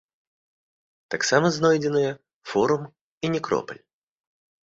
Таксама знойдзеныя форум і некропаль.